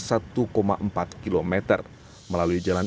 melalui jalan ini pelabuhan kuala tanjung akan berjalan ke kawasan kawasan kawasan